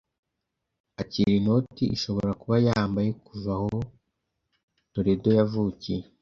Akira inoti ishobora kuba "yambaye" kuva aho Toledo yavukiye